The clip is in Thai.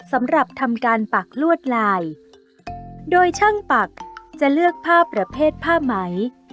สำหรับทำการปักลวดลายโดยช่างปักจะเลือกผ้าประเภทผ้าไหม